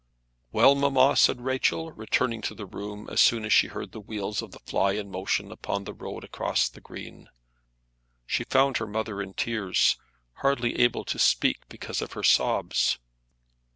"Well, mamma," said Rachel, returning to the room as soon as she heard the wheels of the fly in motion upon the road across the green. She found her mother in tears, hardly able to speak because of her sobs.